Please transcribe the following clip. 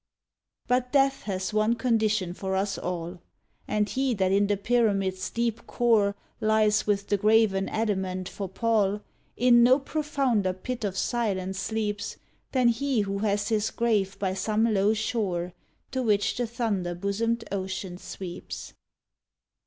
But Death has one condition for us all, And he that in the pyramid s deep core Lies with the graven adamant for pall, In no profounder pit of silence sleeps Than he who has his grave by some low shore To which the thunder bosomed ocean sweeps.